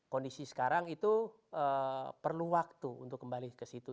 kondisi sekarang itu perlu waktu untuk kembali ke situ